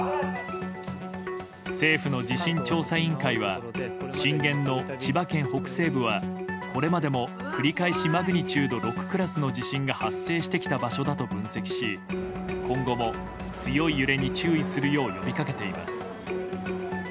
政府の地震調査委員会は震源の千葉県北西部はこれまでも繰り返しマグニチュード６クラスの地震が発生してきた場所だと分析し今後も強い揺れに注意するよう呼びかけています。